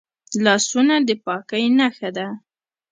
لاسونه د پاکۍ نښه ده